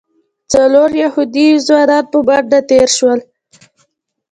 څلور یهودي ځوانان په منډه تېر شول.